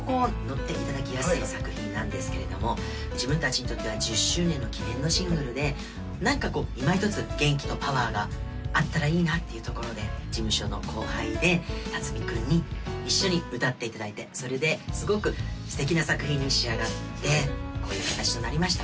ッていただきやすい作品なんですけれども自分達にとっては１０周年の記念のシングルで何かこういまひとつ元気とパワーがあったらいいなというところで事務所の後輩で辰巳君に一緒に歌っていただいてそれですごく素敵な作品に仕上がってこういう形となりました